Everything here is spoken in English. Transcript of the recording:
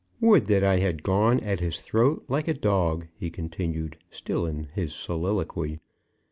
"Would that I had gone at his throat like a dog!" he continued, still in his soliloquy.